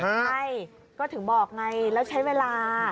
ใช่ก็ถึงบอกไงแล้วใช้เวลา